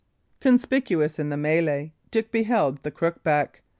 Conspicuous in the mellay, Dick beheld the Crookback.